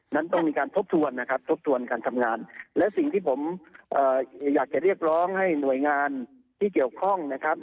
นั้นต้องมีการทบทวนนะครับทบทวนการทำงานและสิ่งที่ผมอยากจะเรียกร้องให้หน่วยงานที่เกี่ยวข้องนะครับ